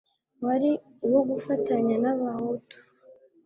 wari uwo gufatanya n'abahutu